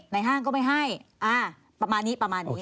ในห้างก็ไม่ให้ประมาณนี้